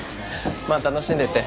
まあ楽しんでって。